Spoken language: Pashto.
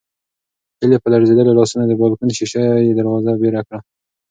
هیلې په لړزېدلو لاسونو د بالکن شیشه یي دروازه بېره کړه.